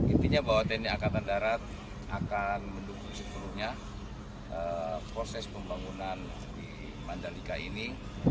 intinya bahwa tni angkatan darat akan mendukung sepenuhnya proses pembangunan di mandalika ini